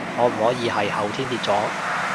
可唔可以係後天跌咗？